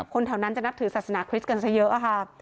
คนแถวนั้นจะนับถือศาสนาคริสต์กันซะเยอะค่ะ